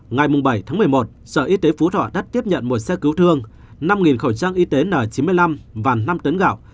ngày bảy tháng một mươi một sở y tế phú thọ đã tiếp nhận một xe cứu thương năm khẩu trang y tế n chín mươi năm và năm tấn gạo